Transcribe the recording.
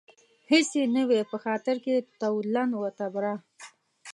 هېڅ يې نه وي په خاطر کې تولاً و تبرا